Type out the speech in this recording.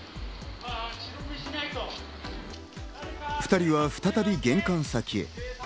２人は再び玄関先へ。